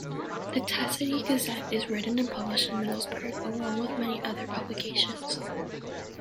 The Teesside Gazette is written and published in Middlesbrough, along with many other publications.